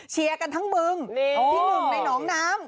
เชียร์กันทั้งบึงที่หนึ่งในหนองน้ำ